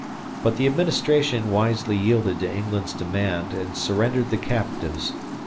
But the Administration wisely yielded to England's demand and surrendered the captives.